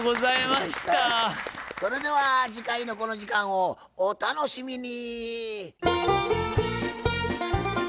それでは次回のこの時間をお楽しみに。